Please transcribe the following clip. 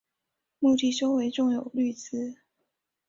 墓地周围种有绿植。